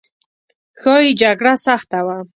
ښایي جګړه سخته وه.